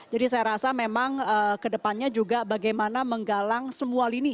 jadi saya rasa memang kedepannya juga bagaimana menggalang semua lini